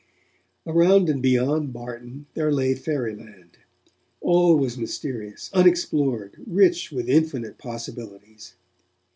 Around and beyond Barton there lay fairyland. All was mysterious, unexplored, rich with infinite possibilities.